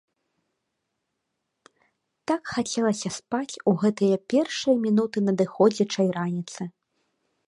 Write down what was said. Так хацелася спаць у гэтыя першыя мінуты надыходзячай раніцы!